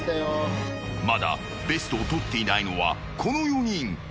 まだベストをとっていないのはこの４人。